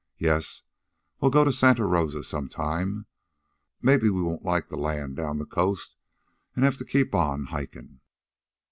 Yes, we'll go to Santa Rosa some time. Maybe we won't like that land down the coast, an' have to keep on hikin'."